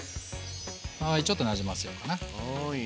はいちょっとなじませようかな。はい。